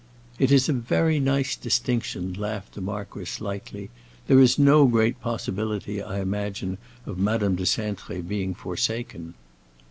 "It is a very nice distinction," laughed the marquis lightly. "There is no great possibility, I imagine, of Madame de Cintré being forsaken."